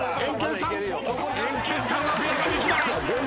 エンケンさんはペアができない！